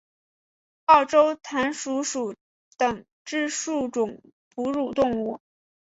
澳洲弹鼠属等之数种哺乳动物。